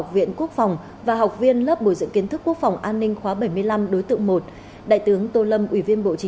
về chiến lược cải cách